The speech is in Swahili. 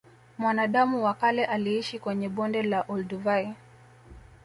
Mwanadamu wa kale aliishi kwenye bonde la olduvai